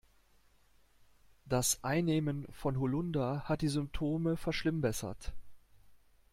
Das Einnehmen von Holunder hat die Symptome verschlimmbessert.